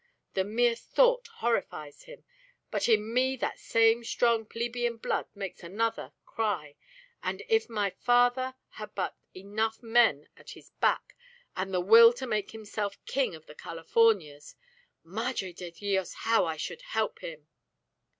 The mere thought horrifies him. But in me that same strong plebeian blood makes another cry, and if my father had but enough men at his back, and the will to make himself King of the Californias Madre de Dios! how I should help him!"